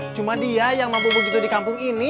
cuma dia yang mampu begitu di kampung ini